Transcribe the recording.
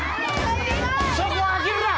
そこは開けるな！